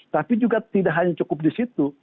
tapi juga tidak hanya cukup di situ